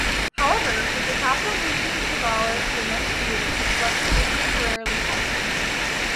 However, with the capital moving to Corvallis the next year, construction was temporarily halted.